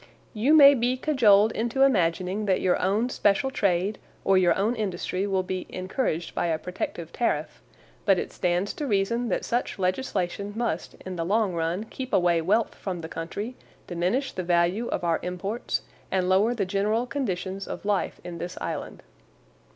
'You may be cajoled into imagining that your own special trade or your own industry will be encouraged by a protective tariff, but it stands to reason that such legislation must in the long run keep away wealth from the country, diminish the value of our imports, and lower the general conditions of life in this island.